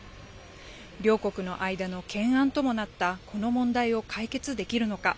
両国の間の懸案ともなったこの問題を解決できるのか。